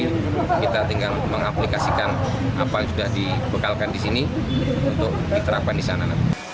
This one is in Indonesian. jadi kita tinggal mengaplikasikan apa yang sudah dibekalkan di sini untuk diterapkan di sana